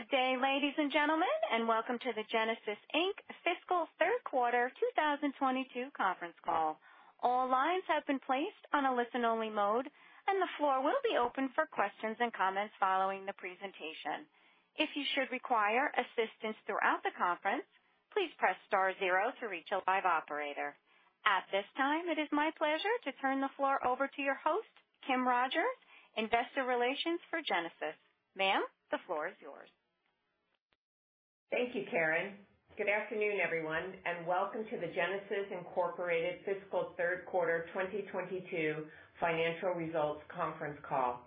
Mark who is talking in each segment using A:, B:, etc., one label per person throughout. A: Good day, ladies and gentlemen, and welcome to the Genasys Inc. Fiscal Third Quarter 2022 Conference Call. All lines have been placed on a listen-only mode, and the floor will be open for questions and comments following the presentation. If you should require assistance throughout the conference, please press star zero to reach a live operator. At this time, it is my pleasure to turn the floor over to your host, Kim Rogers, Investor Relations for Genasys. Ma'am, the floor is yours.
B: Thank you, Karen. Good afternoon, everyone, and welcome to the Genasys Inc. Fiscal Third Quarter 2022 financial results conference call.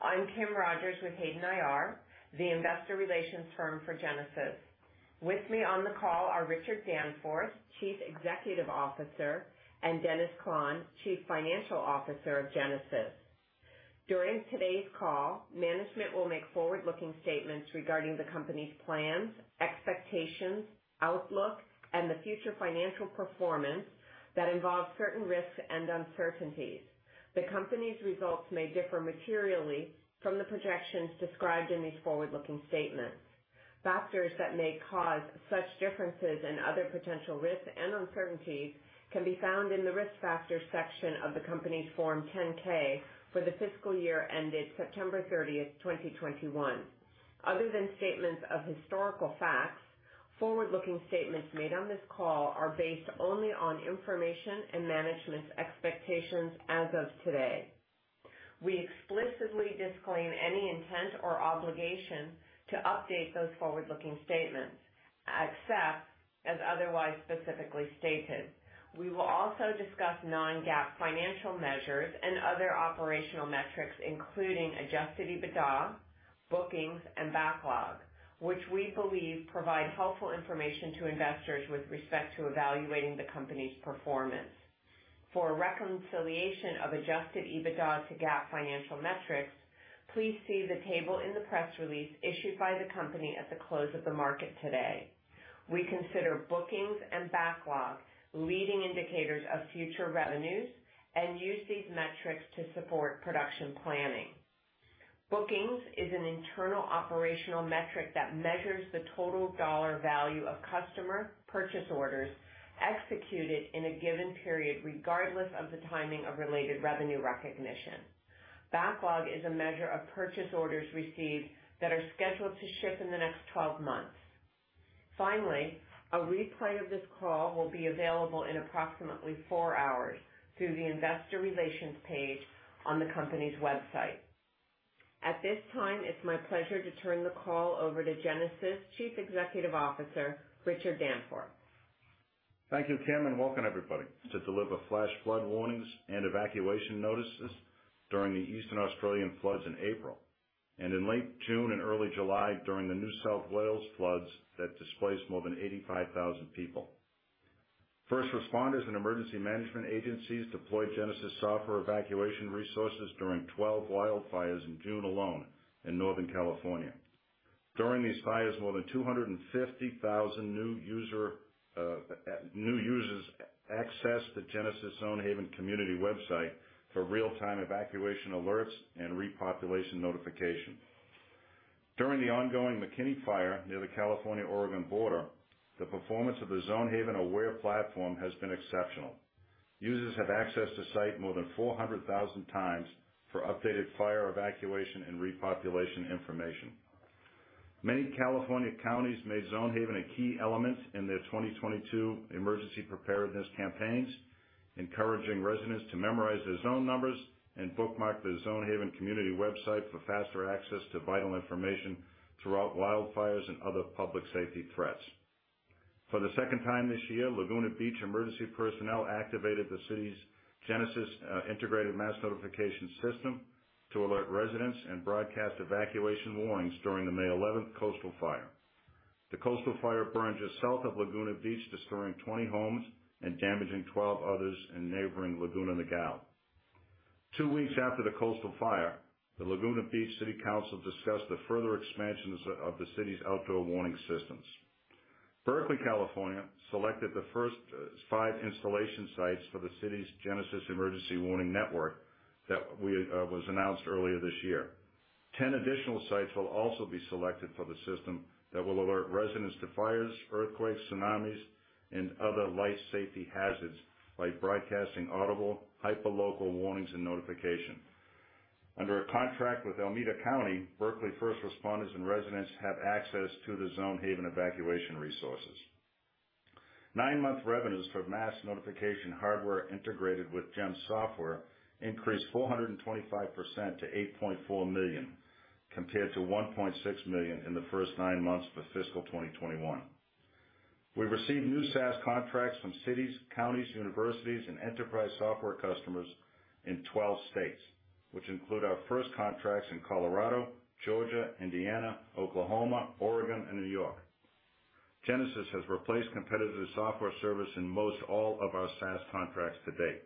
B: I'm Kim Rogers with Hayden IR, the investor relations firm for Genasys. With me on the call are Richard Danforth, Chief Executive Officer, and Dennis Klahn, Chief Financial Officer of Genasys. During today's call, management will make forward-looking statements regarding the company's plans, expectations, outlook, and the future financial performance that involve certain risks and uncertainties. The company's results may differ materially from the projections described in these forward-looking statements. Factors that may cause such differences and other potential risks and uncertainties can be found in the Risk Factors section of the company's Form 10-K for the fiscal year ended September 30, 2021. Other than statements of historical facts, forward-looking statements made on this call are based only on information and management's expectations as of today. We explicitly disclaim any intent or obligation to update those forward-looking statements except as otherwise specifically stated. We will also discuss non-GAAP financial measures and other operational metrics, including Adjusted EBITDA, bookings, and backlog, which we believe provide helpful information to investors with respect to evaluating the company's performance. For a reconciliation of Adjusted EBITDA to GAAP financial metrics, please see the table in the press release issued by the company at the close of the market today. We consider bookings and backlog leading indicators of future revenues and use these metrics to support production planning. Bookings is an internal operational metric that measures the total dollar value of customer purchase orders executed in a given period, regardless of the timing of related revenue recognition. Backlog is a measure of purchase orders received that are scheduled to ship in the next 12 months. Finally, a replay of this call will be available in approximately four hours through the investor relations page on the company's website. At this time, it's my pleasure to turn the call over to Genasys Chief Executive Officer, Richard Danforth.
C: Thank you, Kim, and welcome everybody. To deliver flash flood warnings and evacuation notices during the eastern Australian floods in April and in late June and early July during the New South Wales floods that displaced more than 85,000 people. First responders and emergency management agencies deployed Genasys software evacuation resources during 12 wildfires in June alone in Northern California. During these fires, more than 250,000 new users accessed the Genasys Zonehaven community website for real-time evacuation alerts and repopulation notification. During the ongoing McKinney Fire near the California-Oregon border, the performance of the Zonehaven Aware platform has been exceptional. Users have accessed the site more than 400,000x for updated fire evacuation and repopulation information. Many California counties made Zonehaven a key element in their 2022 emergency preparedness campaigns, encouraging residents to memorize their zone numbers and bookmark the Zonehaven community website for faster access to vital information throughout wildfires and other public safety threats. For the second time this year, Laguna Beach emergency personnel activated the city's Genasys integrated mass notification system to alert residents and broadcast evacuation warnings during the May 11 coastal fire. The coastal fire burned just south of Laguna Beach, destroying 20 homes and damaging 12 others in neighboring Laguna Niguel. Two weeks after the coastal fire, the Laguna Beach City Council discussed the further expansions of the city's outdoor warning systems. Berkeley, California, selected the first five installation sites for the city's Genasys emergency warning network that was announced earlier this year. Ten additional sites will also be selected for the system that will alert residents to fires, earthquakes, tsunamis, and other life safety hazards by broadcasting audible, hyperlocal warnings, and notifications. Under a contract with Alameda County, Berkeley first responders and residents have access to the Zonehaven evacuation resources. Nine-month revenues for mass notification hardware integrated with Genasys software increased 425% to $8.4 million, compared to $1.6 million in the first nine months of fiscal 2021. We've received new SaaS contracts from cities, counties, universities, and enterprise software customers in 12 states, which include our first contracts in Colorado, Georgia, Indiana, Oklahoma, Oregon, and New York. Genasys has replaced competitive software service in most all of our SaaS contracts to date.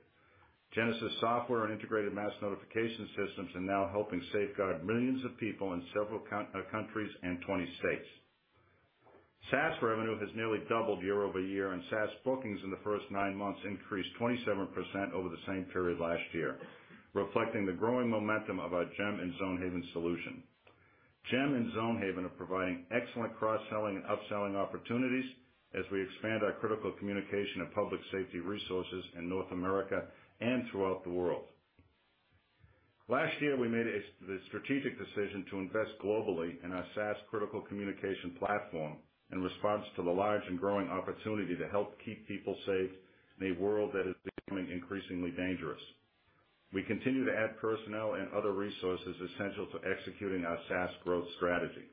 C: Genasys software and Integrated Mass Notification Systems are now helping safeguard millions of people in several countries and 20 states. SaaS revenue has nearly doubled year-over-year, and SaaS bookings in the first nine months increased 27% over the same period last year, reflecting the growing momentum of our GEM and Zonehaven solution. GEM and Zonehaven are providing excellent cross-selling and upselling opportunities as we expand our critical communication and public safety resources in North America and throughout the world. Last year, we made a strategic decision to invest globally in our SaaS critical communication platform in response to the large and growing opportunity to help keep people safe in a world that is becoming increasingly dangerous. We continue to add personnel and other resources essential to executing our SaaS growth strategy.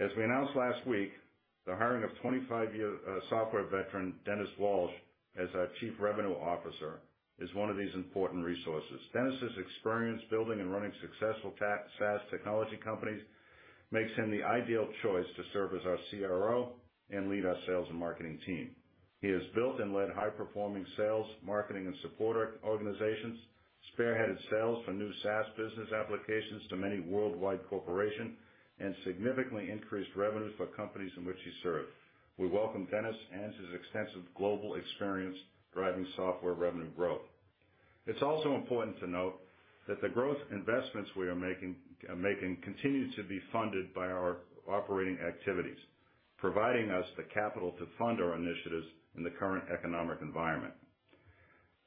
C: As we announced last week, the hiring of 25-year software veteran, Dennis Walsh, as our Chief Revenue Officer, is one of these important resources. Dennis's experience building and running successful SaaS technology companies makes him the ideal choice to serve as our CRO and lead our sales and marketing team. He has built and led high-performing sales, marketing, and support organizations, spearheaded sales for new SaaS business applications to many worldwide corporations, and significantly increased revenues for companies in which he served. We welcome Dennis and his extensive global experience driving software revenue growth. It's also important to note that the growth investments we are making continue to be funded by our operating activities, providing us the capital to fund our initiatives in the current economic environment.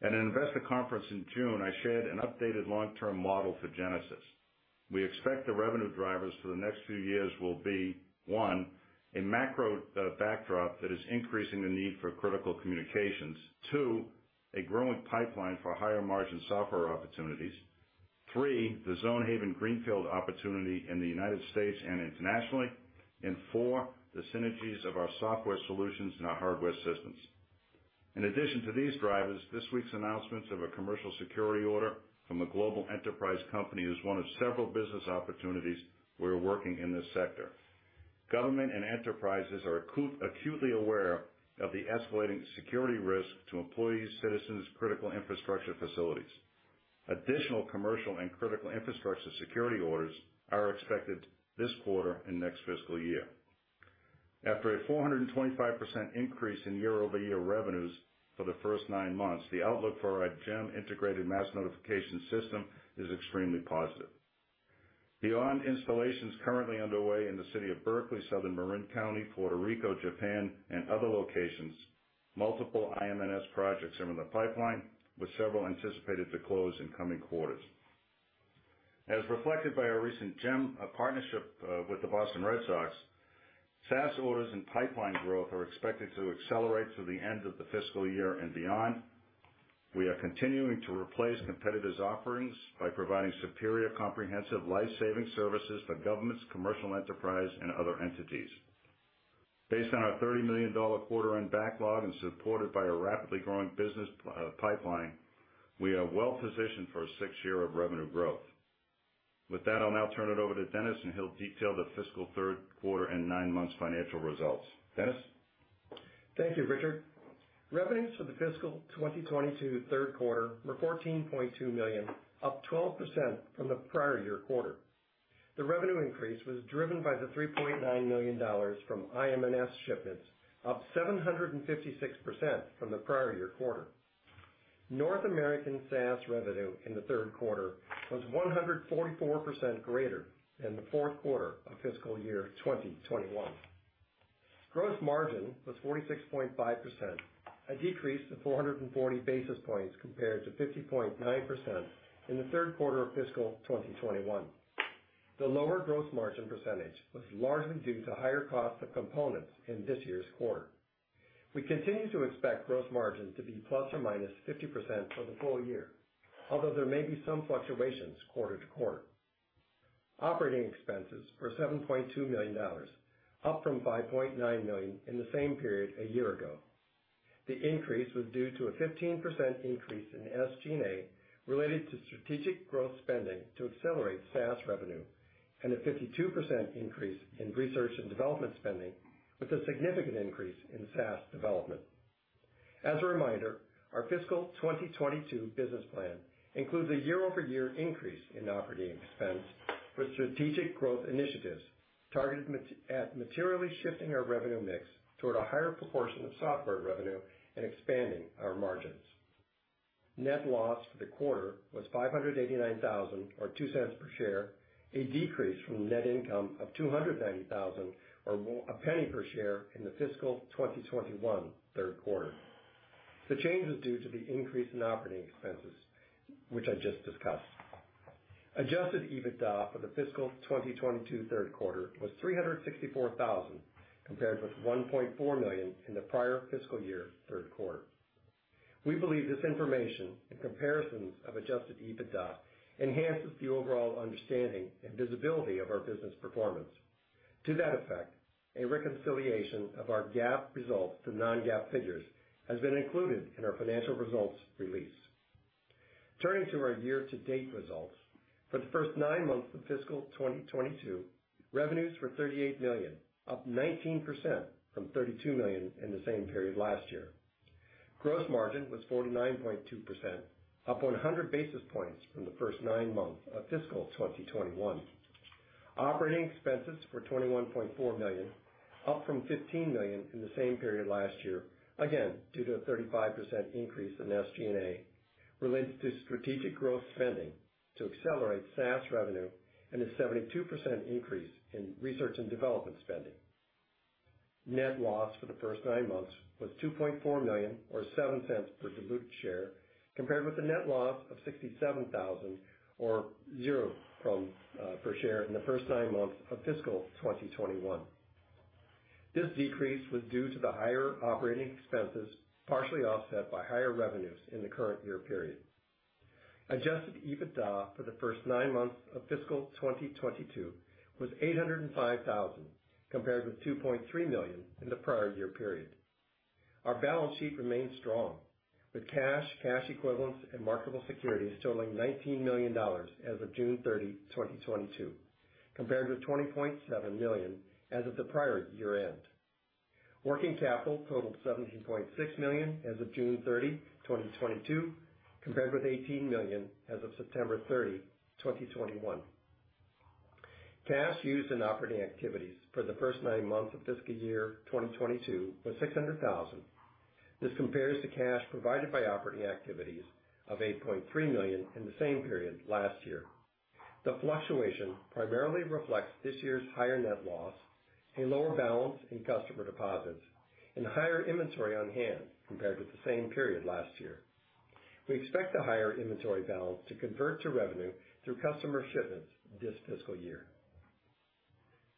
C: At an investor conference in June, I shared an updated long-term model for Genasys. We expect the revenue drivers for the next few years will be, one, a macro backdrop that is increasing the need for critical communications. Two, a growing pipeline for higher-margin software opportunities. Three, the Zonehaven greenfield opportunity in the United States and internationally. And four, the synergies of our software solutions and our hardware systems. In addition to these drivers, this week's announcements of a commercial security order from a global enterprise company is one of several business opportunities we're working in this sector. Government and enterprises are acutely aware of the escalating security risk to employees, citizens, critical infrastructure facilities. Additional commercial and critical infrastructure security orders are expected this quarter and next fiscal year. After a 425% increase in year-over-year revenues for the first nine months, the outlook for our GEM Integrated Mass Notification System is extremely positive. Beyond installations currently underway in the city of Berkeley, Southern Marin County, Puerto Rico, Japan, and other locations, multiple IMNS projects are in the pipeline, with several anticipated to close in coming quarters. As reflected by our recent GEM, a partnership with the Boston Red Sox, SaaS orders and pipeline growth are expected to accelerate through the end of the fiscal year and beyond. We are continuing to replace competitors' offerings by providing superior, comprehensive, life-saving services for governments, commercial enterprise, and other entities. Based on our $30 million quarter-end backlog and supported by a rapidly growing business pipeline, we are well positioned for a sixth year of revenue growth. With that, I'll now turn it over to Dennis, and he'll detail the fiscal third quarter and nine months financial results. Dennis?
D: Thank you, Richard. Revenues for the fiscal 2022 third quarter were $14.2 million, up 12% from the prior year quarter. The revenue increase was driven by the $3.9 million from IMNS shipments, up 756% from the prior year quarter. North American SaaS revenue in the third quarter was 144% greater than the fourth quarter of fiscal year 2021. Gross margin was 46.5%, a decrease of 440 basis points compared to 50.9% in the third quarter of fiscal 2021. The lower gross margin percentage was largely due to higher costs of components in this year's quarter. We continue to expect gross margin to be ±50% for the full year, although there may be some fluctuations quarter to quarter. Operating expenses were $7.2 million, up from $5.9 million in the same period a year ago. The increase was due to a 15% increase in SG&A related to strategic growth spending to accelerate SaaS revenue and a 52% increase in research and development spending, with a significant increase in SaaS development. As a reminder, our fiscal 2022 business plan includes a year-over-year increase in operating expense for strategic growth initiatives targeted at materially shifting our revenue mix toward a higher proportion of software revenue and expanding our margins. Net loss for the quarter was $589,000 or $0.02 per share, a decrease from net income of $290,000 or $0.01 per share in the fiscal 2021 third quarter. The change is due to the increase in operating expenses, which I just discussed. Adjusted EBITDA for the fiscal 2022 third quarter was $364,000, compared with $1.4 million in the prior fiscal year third quarter. We believe this information and comparisons of Adjusted EBITDA enhances the overall understanding and visibility of our business performance. To that effect, a reconciliation of our GAAP results to non-GAAP figures has been included in our financial results release. Turning to our year-to-date results. For the first nine months of fiscal 2022, revenues were $38 million, up 19% from $32 million in the same period last year. Gross margin was 49.2%, up 100 basis points from the first nine months of fiscal 2021. Operating expenses were $21.4 million, up from $15 million in the same period last year, again, due to a 35% increase in SG&A related to strategic growth spending to accelerate SaaS revenue and a 72% increase in research and development spending. Net loss for the first nine months was $2.4 million or $0.07 per diluted share, compared with a net loss of $67,000 or $0.00 per share in the first nine months of fiscal 2021. This decrease was due to the higher operating expenses, partially offset by higher revenues in the current year period. Adjusted EBITDA for the first nine months of fiscal 2022 was $805,000, compared with $2.3 million in the prior year period. Our balance sheet remains strong, with cash equivalents, and marketable securities totaling $19 million as of June 30, 2022, compared with $20.7 million as of the prior year-end. Working capital totaled $17.6 million as of June 30, 2022, compared with $18 million as of September 30, 2021. Cash used in operating activities for the first nine months of fiscal year 2022 was $600,000. This compares to cash provided by operating activities of $8.3 million in the same period last year. The fluctuation primarily reflects this year's higher net loss, a lower balance in customer deposits, and higher inventory on hand compared with the same period last year. We expect the higher inventory balance to convert to revenue through customer shipments this fiscal year.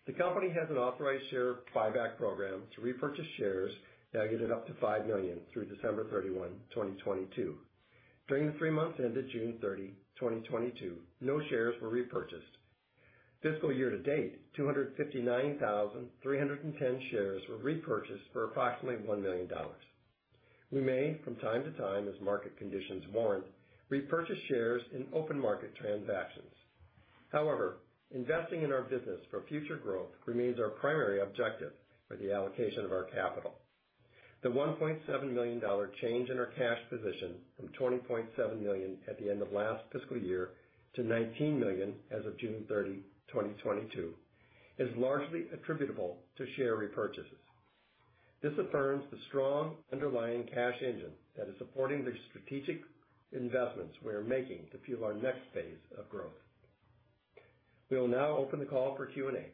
D: The company has an authorized share buyback program to repurchase shares aggregated up to 5 million through December 31, 2022. During the three months ended June 30, 2022, no shares were repurchased. Fiscal year to date, 259,310 shares were repurchased for approximately $1 million. We may, from time to time, as market conditions warrant, repurchase shares in open market transactions. However, investing in our business for future growth remains our primary objective for the allocation of our capital. The $1.7 million change in our cash position from $20.7 million at the end of last fiscal year to $19 million as of June 30, 2022, is largely attributable to share repurchases. This affirms the strong underlying cash engine that is supporting the strategic investments we are making to fuel our next phase of growth. We will now open the call for Q&A.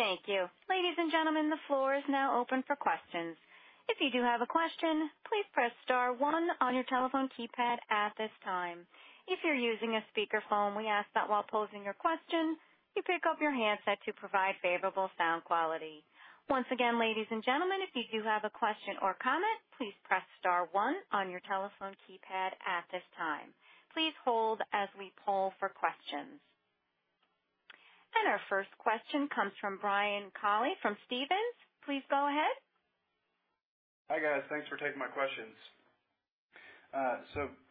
A: Thank you. Ladies and gentlemen, the floor is now open for questions. If you do have a question, please press star one on your telephone keypad at this time. If you're using a speakerphone, we ask that while posing your question, you pick up your handset to provide favorable sound quality. Once again, ladies and gentlemen, if you do have a question or comment, please press star one on your telephone keypad at this time. Please hold as we poll for questions. Our first question comes from Brian Colley from Stephens. Please go ahead.
E: Hi, guys. Thanks for taking my questions.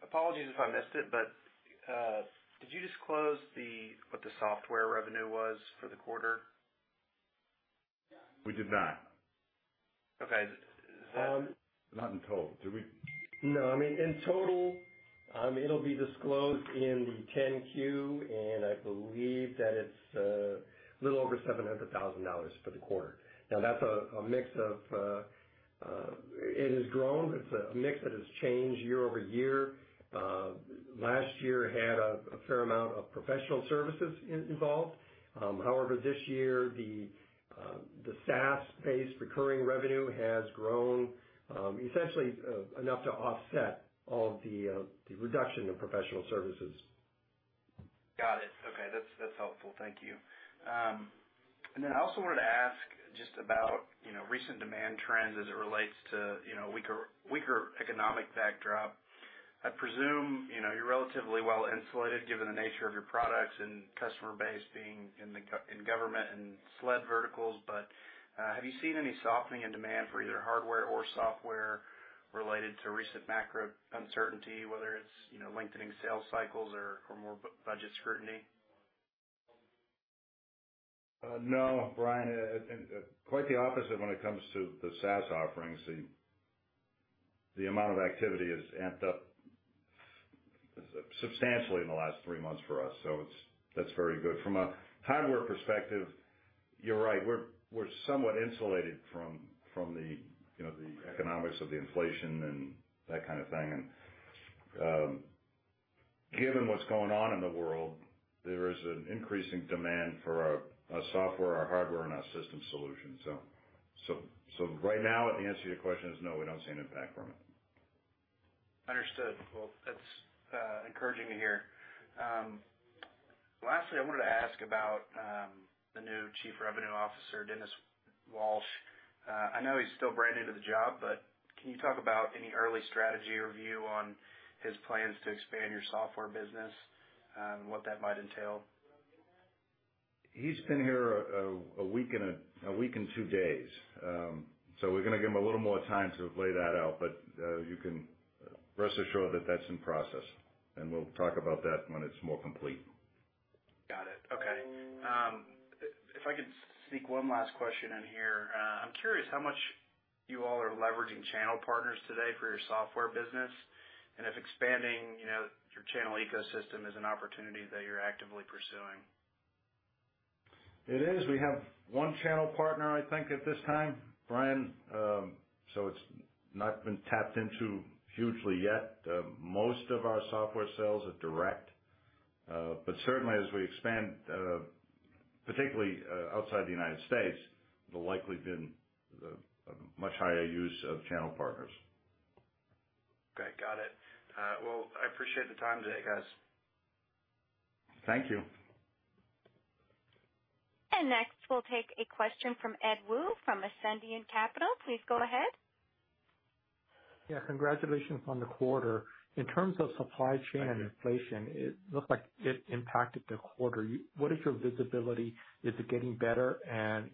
E: Apologies if I missed it, but, did you disclose the, what the software revenue was for the quarter?
C: We did not.
E: Okay. Is that?
C: Not in total. Did we?
D: No. I mean, in total, it'll be disclosed in the Form 10-Q, and I believe that it's a little over $700,000 for the quarter. Now, that's a mix that has grown. It's a mix that has changed year-over-year. Last year had a fair amount of professional services involved. However, this year the SaaS-based recurring revenue has grown, essentially, enough to offset all of the reduction in professional services.
E: Got it. Okay. That's helpful. Thank you. Then I also wanted to ask just about, you know, recent demand trends as it relates to, you know, weaker economic backdrop. I presume, you know, you're relatively well-insulated given the nature of your products and customer base being in the government and SLED verticals. Have you seen any softening in demand for either hardware or software related to recent macro uncertainty, whether it's, you know, lengthening sales cycles or more budget scrutiny?
C: No, Brian, and quite the opposite when it comes to the SaaS offerings. The amount of activity has amped up substantially in the last three months for us, that's very good. From a hardware perspective, you're right. We're somewhat insulated from the you know the economics of the inflation and that kind of thing. Given what's going on in the world, there is an increasing demand for our software, our hardware, and our system solutions. So right now, the answer to your question is no, we don't see an impact from it.
E: Understood. Well, that's encouraging to hear. Lastly, I wanted to ask about the new Chief Revenue Officer, Dennis Walsh. I know he's still brand new to the job, but can you talk about any early strategy or view on his plans to expand your software business and what that might entail?
C: He's been here a week and two days. We're gonna give him a little more time to lay that out. You can rest assured that that's in process, and we'll talk about that when it's more complete.
E: Okay. If I could sneak one last question in here. I'm curious how much you all are leveraging channel partners today for your software business and if expanding, you know, your channel ecosystem is an opportunity that you're actively pursuing.
C: It is. We have one channel partner, I think, at this time, Brian. It's not been tapped into hugely yet. Most of our software sales are direct. Certainly, as we expand, particularly outside the United States, there'll likely be a much higher use of channel partners.
E: Okay. Got it. Well, I appreciate the time today, guys.
C: Thank you.
A: Next, we'll take a question from Ed Woo from Ascendiant Capital Markets. Please go ahead.
F: Yeah. Congratulations on the quarter. In terms of supply chain.
C: Thank you.
F: Inflation, it looks like it impacted the quarter. You, what is your visibility? Is it getting better?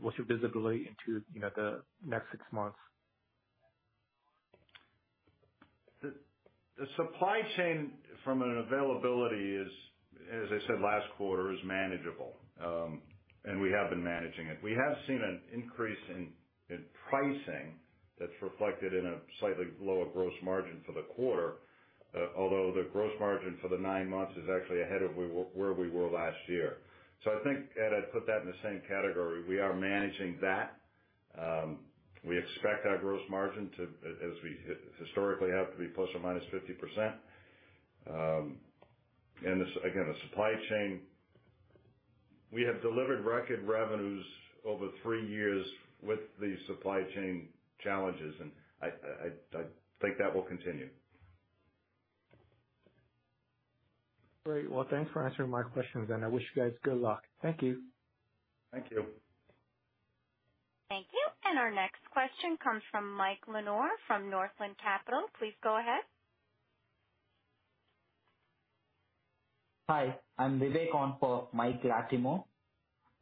F: What's your visibility into, you know, the next six months?
C: The supply chain from an availability is, as I said last quarter, manageable. We have been managing it. We have seen an increase in pricing that's reflected in a slightly lower gross margin for the quarter, although the gross margin for the nine months is actually ahead of where we were last year. I think, Ed, I'd put that in the same category. We are managing that. We expect our gross margin to, as we historically have, to be ±50%. Again, the supply chain, we have delivered record revenues over three years with these supply chain challenges, and I think that will continue.
F: Great. Well, thanks for answering my questions then. I wish you guys good luck. Thank you.
C: Thank you.
A: Thank you. Our next question comes from Mike Latimore from Northland Capital Markets. Please go ahead.
G: Hi, I'm Vivek on for Mike Latimore.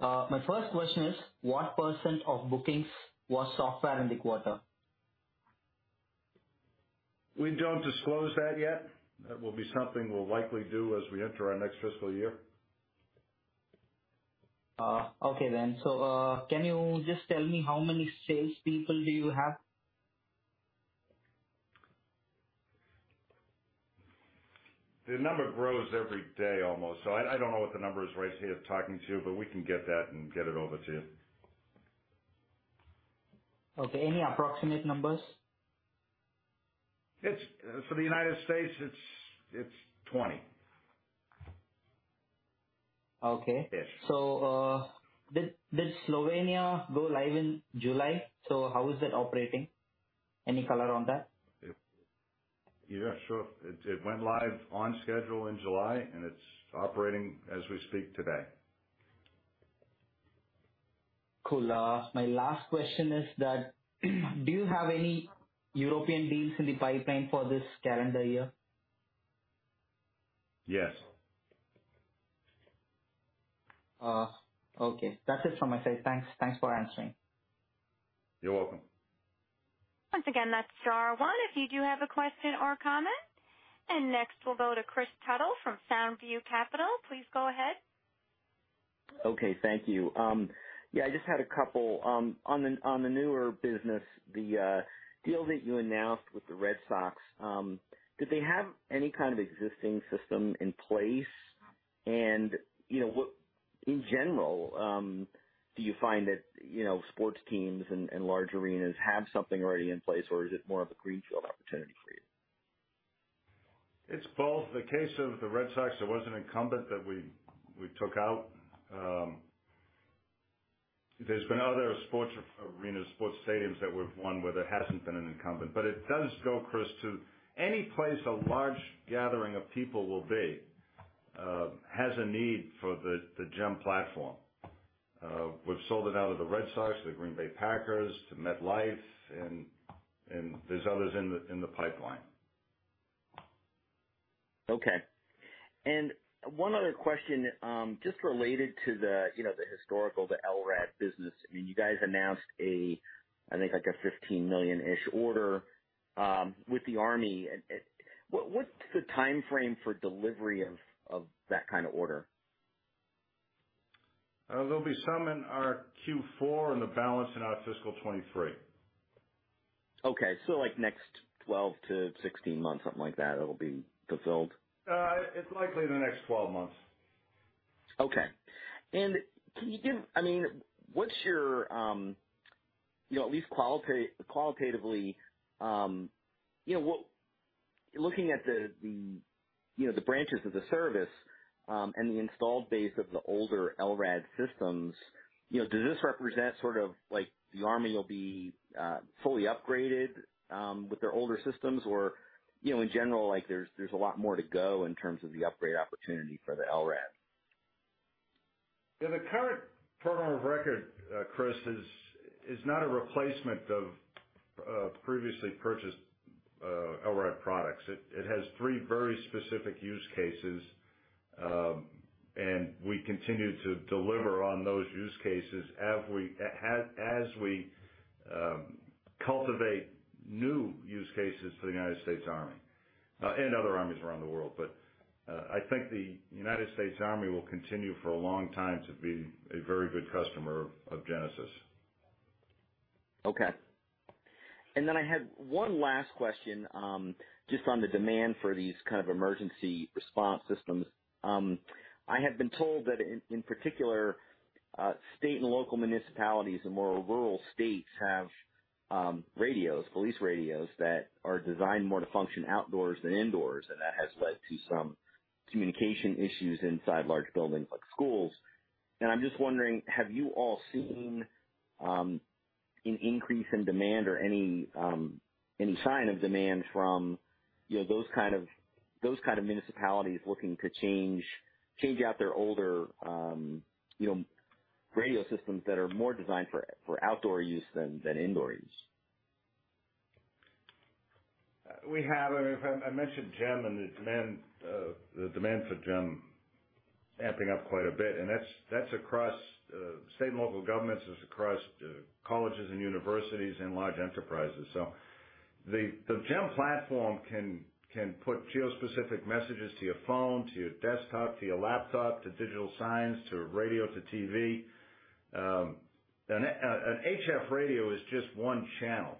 G: My first question is: What percent of bookings was software in the quarter?
C: We don't disclose that yet. That will be something we'll likely do as we enter our next fiscal year.
G: Okay then. Can you just tell me how many salespeople do you have?
C: The number grows every day almost, so I don't know what the number is right here talking to you, but we can get that and get it over to you.
G: Okay. Any approximate numbers?
C: For the United States, it's 20.
G: Okay.
C: Ish.
G: Did Slovenia go live in July? How is it operating? Any color on that?
C: Yeah, sure. It went live on schedule in July, and it's operating as we speak today.
G: Cool. My last question is, do you have any European deals in the pipeline for this calendar year?
C: Yes.
G: Okay. That's it from my side. Thanks. Thanks for answering.
C: You're welcome.
A: Once again, that's star one if you do have a question or comment. Next we'll go to Kris Tuttle from SoundView Technology Group. Please go ahead.
H: Okay. Thank you. I just had a couple. On the newer business, the deal that you announced with the Red Sox, did they have any kind of existing system in place? You know, in general, do you find that, you know, sports teams and large arenas have something already in place, or is it more of a greenfield opportunity for you?
C: It's both. In the case of the Red Sox, there was an incumbent that we took out. There's been other sports arenas, sports stadiums that we've won where there hasn't been an incumbent. It does go, Kris, to any place a large gathering of people will be, has a need for the GEM platform. We've sold it to the Red Sox, the Green Bay Packers, to MetLife, and there's others in the pipeline.
H: Okay. One other question, just related to the, you know, the historical, the LRAD business. You guys announced a, I think, like, a $15 million-ish order with the U.S. Army. What's the timeframe for delivery of that kind of order?
C: There'll be some in our Q4 and the balance in our fiscal 2023.
H: Okay. Like, next 12 to 16 months, something like that, it'll be fulfilled?
C: It's likely the next 12 months.
H: Okay. Can you give, I mean, what's your, you know, at least qualitatively, you know, what. Looking at, you know, the branches of the service, and the installed base of the older LRAD systems, you know, does this represent sort of like the Army will be fully upgraded with their older systems? Or, you know, in general, like, there's a lot more to go in terms of the upgrade opportunity for the LRAD?
C: Yeah, the current program of record, Kris, is not a replacement of previously purchased LRAD products. It has three very specific use cases, and we continue to deliver on those use cases as we cultivate new use cases for the United States Army and other armies around the world. I think the United States Army will continue for a long time to be a very good customer of Genasys.
H: Okay. I had one last question, just on the demand for these kind of emergency response systems. I have been told that in particular, state and local municipalities in more rural states have radios, police radios that are designed more to function outdoors than indoors, and that has led to some communication issues inside large buildings like schools. I'm just wondering, have you all seen an increase in demand or any sign of demand from, you know, those kind of municipalities looking to change out their older, you know, radio systems that are more designed for outdoor use than indoor use?
C: We have. I mean, if I mentioned GEM and the demand for GEM amping up quite a bit, and that's across state and local governments. It's across colleges and universities and large enterprises. So the GEM platform can put geo-specific messages to your phone, to your desktop, to your laptop, to digital signs, to radio, to TV. An HF radio is just one channel.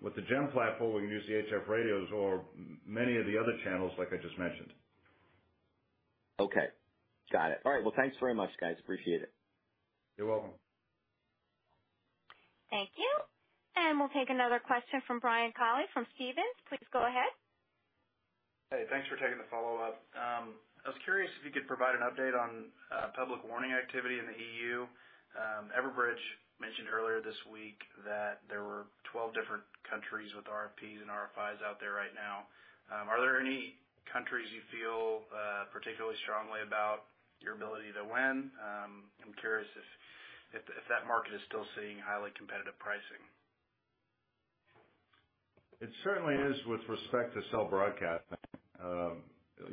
C: With the GEM platform, we can use the HF radios or many of the other channels like I just mentioned.
H: Okay. Got it. All right, well, thanks very much, guys. Appreciate it.
C: You're welcome.
A: Thank you. We'll take another question from Brian Colley from Stephens. Please go ahead.
E: Hey, thanks for taking the follow-up. I was curious if you could provide an update on public warning activity in the EU. Everbridge mentioned earlier this week that there were 12 different countries with RFPs and RFIs out there right now. Are there any countries you feel particularly strongly about your ability to win? I'm curious if that market is still seeing highly competitive pricing.
C: It certainly is with respect to Cell Broadcast.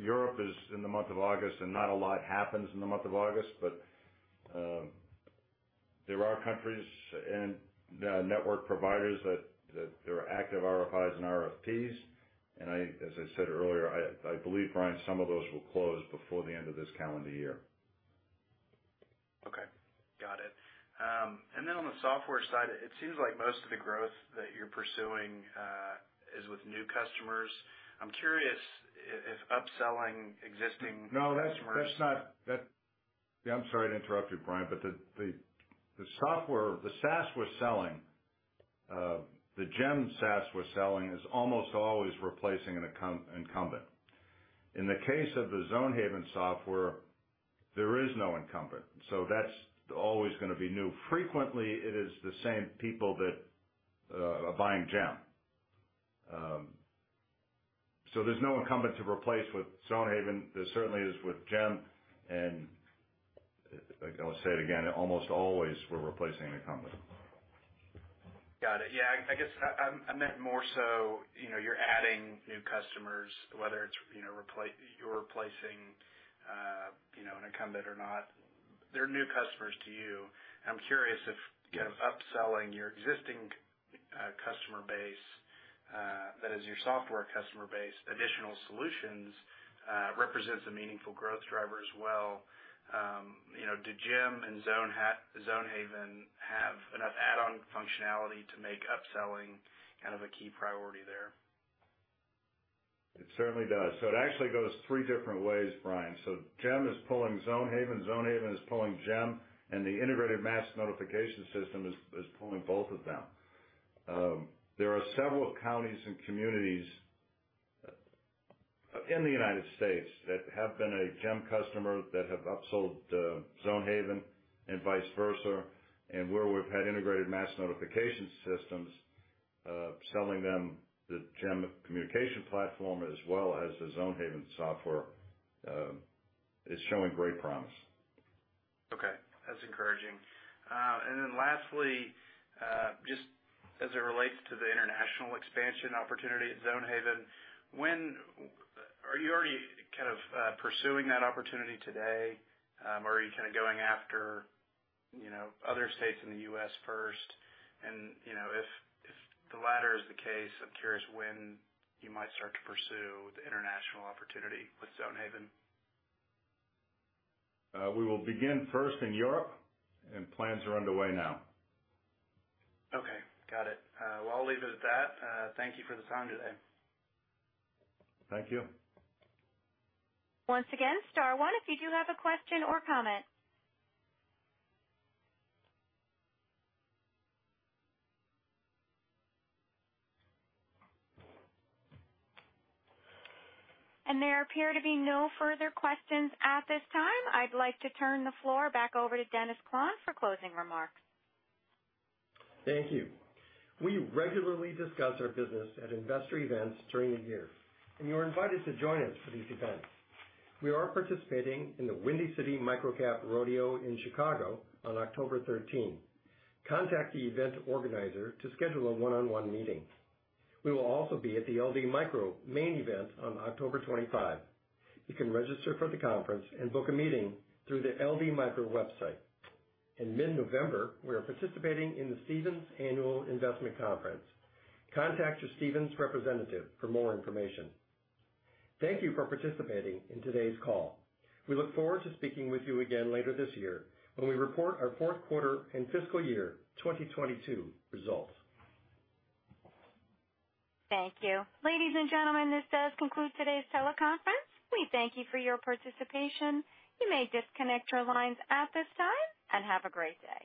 C: Europe is in the month of August, and not a lot happens in the month of August. There are countries and network providers that there are active RFIs and RFPs. As I said earlier, I believe, Brian, some of those will close before the end of this calendar year.
E: Okay. Got it. On the software side, it seems like most of the growth that you're pursuing is with new customers. I'm curious if upselling existing-
C: No, that's not.
E: -customers.
C: Yeah, I'm sorry to interrupt you, Brian, but the software, the SaaS we're selling, the GEM SaaS we're selling is almost always replacing an incumbent. In the case of the Zonehaven software, there is no incumbent, so that's always gonna be new. Frequently, it is the same people that are buying GEM. So there's no incumbent to replace with Zonehaven. There certainly is with GEM. Like I'll say it again, almost always we're replacing an incumbent.
E: Got it. Yeah, I guess I meant more so, you know, you're adding new customers, whether it's, you know, you're replacing, you know, an incumbent or not, they're new customers to you. I'm curious if-
C: Yeah.
E: Kind of upselling your existing customer base, that is your software customer base, additional solutions represents a meaningful growth driver as well. You know, do GEM and Zonehaven have enough add-on functionality to make upselling kind of a key priority there?
C: It certainly does. It actually goes three different ways, Brian. GEM is pulling Zonehaven is pulling GEM, and the Integrated Mass Notification System is pulling both of them. There are several counties and communities in the United States that have been a GEM customer that have upsold Zonehaven and vice versa, and where we've had integrated mass notification systems selling them the GEM communication platform as well as the Zonehaven software is showing great promise.
E: Okay. That's encouraging. And then lastly, just as it relates to the international expansion opportunity at Zonehaven, are you already kind of pursuing that opportunity today? Are you kinda going after, you know, other states in the U.S. first? You know, if the latter is the case, I'm curious when you might start to pursue the international opportunity with Zonehaven.
C: We will begin first in Europe, and plans are underway now.
E: Okay. Got it. Well, I'll leave it at that. Thank you for the time today.
C: Thank you.
A: Once again, star one if you do have a question or comment. There appear to be no further questions at this time. I'd like to turn the floor back over to Dennis Klahn for closing remarks.
D: Thank you. We regularly discuss our business at investor events during the year, and you're invited to join us for these events. We are participating in the Windy City MicroCap Rodeo in Chicago on October 13. Contact the event organizer to schedule a one-on-one meeting. We will also be at the LD Micro Main Event on October 25. You can register for the conference and book a meeting through the LD Micro website. In mid-November, we are participating in the Stephens Annual Investment Conference. Contact your Stephens representative for more information. Thank you for participating in today's call. We look forward to speaking with you again later this year when we report our fourth quarter and fiscal year 2022 results.
A: Thank you. Ladies and gentlemen, this does conclude today's teleconference. We thank you for your participation. You may disconnect your lines at this time, and have a great day.